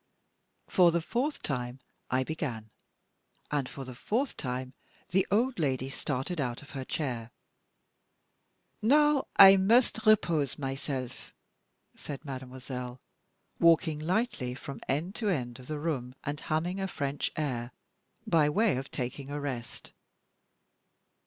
For the fourth time I began, and for the fourth time the old lady started out of her chair. "Now I must repose myself," said mademoiselle, walking lightly from end to end of the room, and humming a French air, by way of taking a rest.